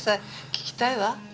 聞きたいわ。